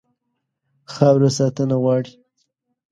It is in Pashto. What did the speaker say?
خاوره ساتنه غواړي.